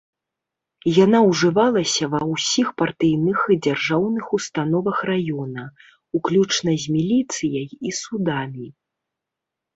Яна ўжывалася ва ўсіх партыйных і дзяржаўных установах раёна, уключна з міліцыяй і судамі.